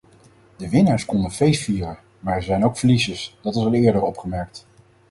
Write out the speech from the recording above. De winnaars konden feestvieren, maar er zijn ook verliezers, dat is al eerder opgemerkt.